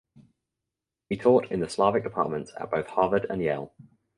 He taught in the Slavic departments at both Harvard and Yale.